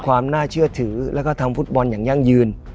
ความน่าเชื่อถือแล้วก็ทางฟุตบอลอย่างยั่งยืน